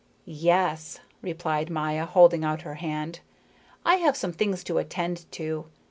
"Yes," replied Maya, holding out her hand. "I have some things to attend to.